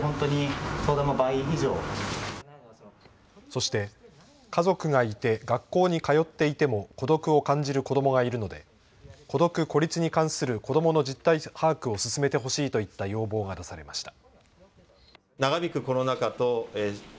そして、家族がいて学校に通っていても孤独を感じる子どもがいるので孤独・孤立に関する子どもの実態把握を進めてほしいといった要望が出されました。